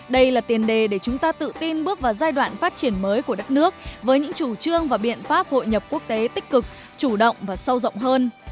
đây là tiền đề để chúng ta tự tin bước vào giai đoạn phát triển mới của đất nước với những chủ trương và biện pháp hội nhập quốc tế tích cực chủ động và sâu rộng hơn